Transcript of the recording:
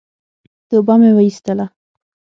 توبه مي واېستله !